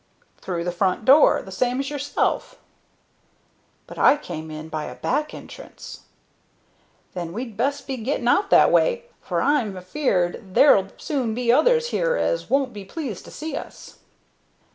"Through the front door, the same as yourself." "But I came in by a back entrance." "Then we'd best be getting out that way, for I'm afeard there'll soon be others here as won't be pleased to see us."